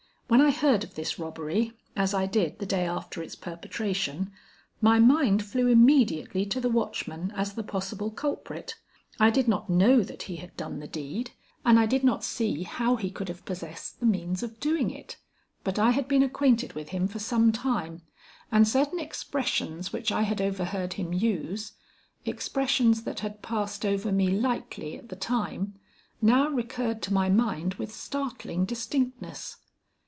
When I heard of this robbery, as I did the day after its perpetration, my mind flew immediately to the watchman as the possible culprit. I did not know that he had done the deed, and I did not see how he could have possessed the means of doing it, but I had been acquainted with him for some time, and certain expressions which I had overheard him use expressions that had passed over me lightly at the time, now recurred to my mind with startling distinctness.